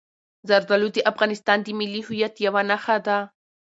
زردالو د افغانستان د ملي هویت یوه نښه ده.